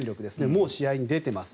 もう試合に出ています。